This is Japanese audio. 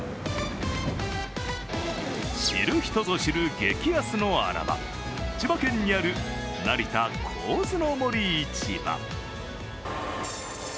知る人ぞ知る激安の穴場、千葉県にある成田公津の杜市場。